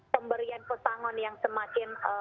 pemberian pesangon yang semakin